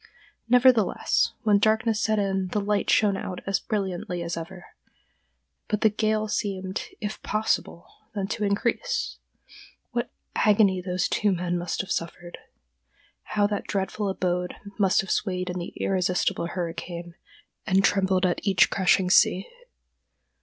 Nevertheless, when darkness set in the light shone out as brilliantly as ever, but the gale seemed, if possible, then to increase. What agony those two men must have suffered! How that dreadful abode must have swayed in the irresistible hurricane, and trembled at each crashing sea!